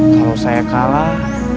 kalau saya kalah